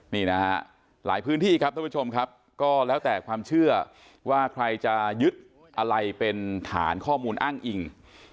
นี่นะฮะหลายพื้นที่ครับท่านผู้ชมครับก็แล้วแต่ความเชื่อว่าใครจะยึดอะไรเป็นฐานข้อมูลอ้างอิง